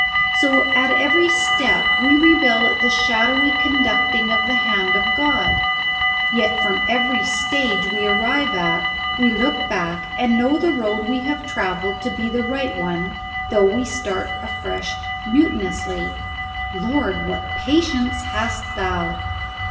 So at every step we rebel at the shadowy conducting of the hand of God; yet from every stage we arrive at we look back and know the road we have travelled to be the right one though we start afresh mutinously. Lord, what patience hast Thou!